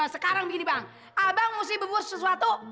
sekarang begini bang abang mesti berbuat sesuatu